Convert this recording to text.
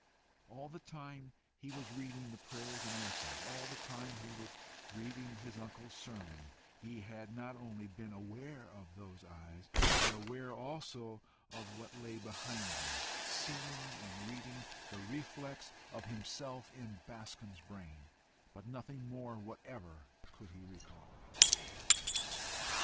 All the time he was reading the prayers and lessons, all the time he was reading his uncle's sermon, he had not only been aware of those eyes, but aware also of what lay behind them seeing and reading the reflex of himself in Bascombe's brain; but nothing more whatever could he recall.